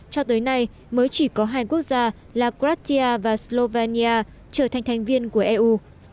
cho tới nay mới chỉ có hai quốc gia là cratia và slovenia trở thành thành viên của eu